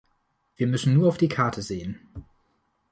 Wir müssen nur auf die Karte sehen.